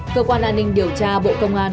cơ quan an ninh điều tra bộ công an